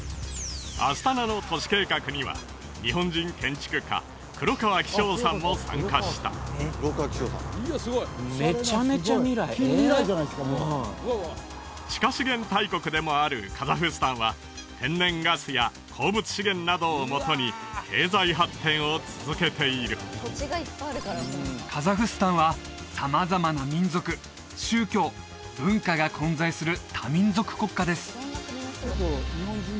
アスタナの都市計画には日本人建築家黒川紀章さんも参加した近未来じゃないですかもう地下資源大国でもあるカザフスタンは天然ガスや鉱物資源などをもとに経済発展を続けているカザフスタンは様々な民族宗教文化が混在する多民族国家です